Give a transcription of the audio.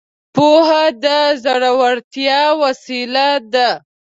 پوهه د زړورتيا وسيله ده.